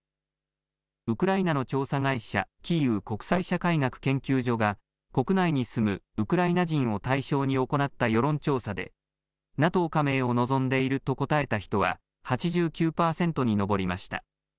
ウクライナの調査会社、キーウ国際社会学研究所が国内に住むウクライナ人を対象に行った世論調査でＮＡＴＯ加盟を望んでいると答えた人は８９％に上りました。